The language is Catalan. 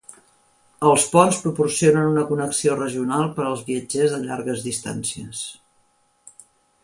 Els ponts proporcionen una connexió regional per als viatgers de llargues distàncies.